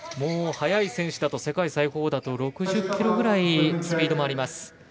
速い選手だと世界最高だと６０キロぐらいスピードがあります。